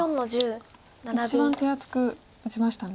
一番手厚く打ちましたね。